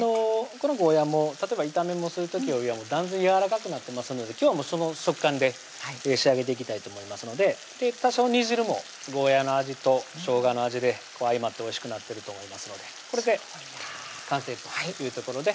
このゴーヤも例えば炒めもんする時よりは断然やわらかくなってますので今日はその食感で仕上げていきたいと思いますので多少煮汁もゴーヤの味としょうがの味で相まっておいしくなってると思いますのでこれで完成というところで盛りつけていきます